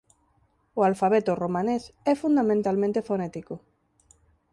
O alfabeto romanés é fundamentalmente fonético.